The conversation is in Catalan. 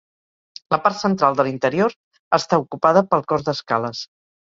La part central de l'interior està ocupada pel cos d'escales.